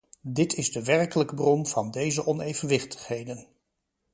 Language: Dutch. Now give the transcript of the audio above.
Dit is de werkelijk bron van deze onevenwichtigheden.